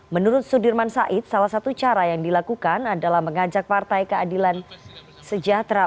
menurut sudirman said salah satu cara yang dilakukan adalah mengajak partai keadilan sejahtera